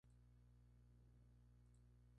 El extraño mundo de Jack: Jack.